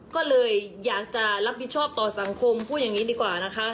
ก็เลยอยากจะรับผิดชอบต่อสังคมพูดอย่างนี้ดีกว่านะคะ